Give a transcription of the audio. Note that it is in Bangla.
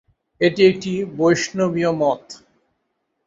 এটি একটি বৈষ্ণবীয় মত।